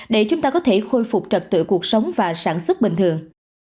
để chúng ta có thể khôi phục trật tự cuộc sống và sản xuất bình thường